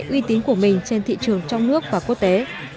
uy tín của mình trên thị trường trong nước và quốc tế